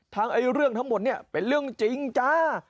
เรื่องทั้งหมดเนี่ยเป็นเรื่องจริงจ้า